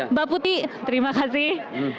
mbak putih terima kasih